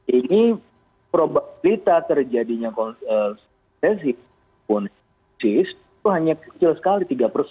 ini probabilitas resesi itu hanya kecil sekali tiga